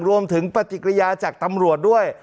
รวมถึงปฏิกิริยาจากตำรวจด้วย